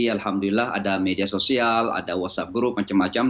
alhamdulillah ada media sosial ada whatsapp group macam macam